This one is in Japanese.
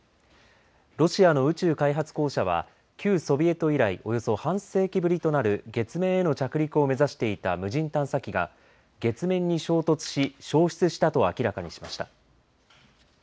ロシアの宇宙開発公社は旧ソビエト以来およそ半世紀ぶりとなる月面への着陸を目指していた無人探査機が月面に衝突し消失したと明らかにしました。